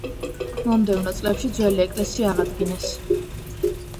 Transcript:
მომდევნო წლებში ძველი ეკლესია აღადგინეს.